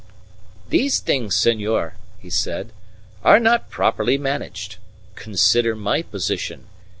"These things, senor," he said, "are not properly managed. Consider my position.